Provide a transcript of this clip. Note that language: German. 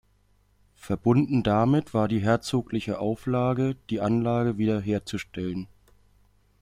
Verbunden damit war die herzogliche Auflage, die Anlage wiederherzustellen.